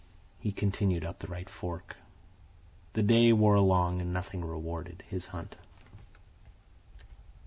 He continued up the right fork. The day wore along, and nothing rewarded his hunt.